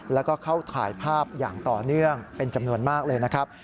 แล้วก็เข้าถ่ายภาพอย่างต่อเนื่องเป็นจำนวนมากเลยนะครับ